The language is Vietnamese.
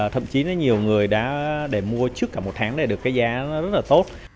thậm chí nhiều người đã để mua trước cả một tháng để được giá rất tốt